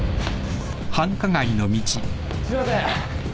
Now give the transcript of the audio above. すいません。